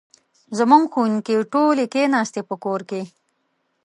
زموږ ښوونکې ټولې کښېناستي په کور کې